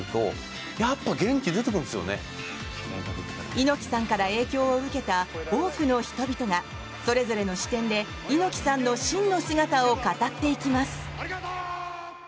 猪木さんから影響を受けた多くの人々がそれぞれの視点で、猪木さんの真の姿を語っていきます。